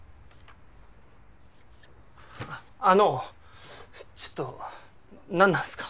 あのちょっと何なんすか？